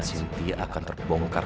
sintia akan terbongkar